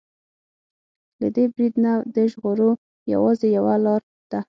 له دې برید نه د ژغور يوازې يوه لاره ده.